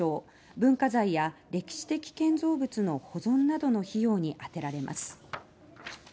文化財や歴史的建造物の保存などの費用に充てられます。